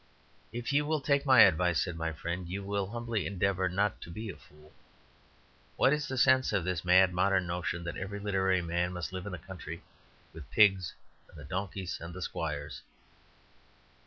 "If you will take my advice," said my friend, "you will humbly endeavour not to be a fool. What is the sense of this mad modern notion that every literary man must live in the country, with the pigs and the donkeys and the squires?